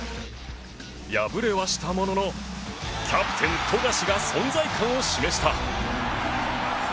敗れはしたもののキャプテン富樫が存在感を示した！